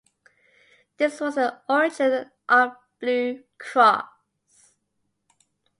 This was the origin of Blue Cross.